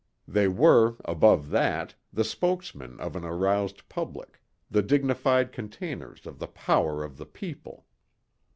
They were, above that, the spokesmen of an aroused public, the dignified containers of the power of the People.